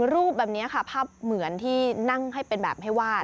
รูปแบบนี้ค่ะภาพเหมือนที่นั่งให้เป็นแบบให้วาด